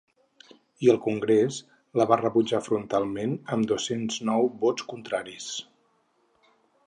I el congrés la va rebutjar frontalment amb dos-cents nou vots contraris.